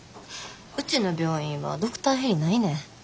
うちの病院はドクターヘリないねん。